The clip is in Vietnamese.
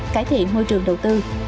cải thiện môi trường đầu tư